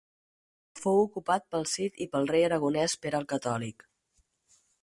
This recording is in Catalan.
Fou ocupat pel Cid i pel rei aragonés Pere el Catòlic.